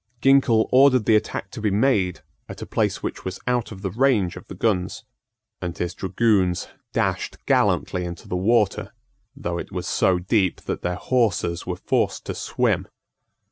Ginkell ordered the attack to be made at a place which was out of the range of the guns; and his dragoons dashed gallantly into the water, though it was so deep that their horses were forced to swim.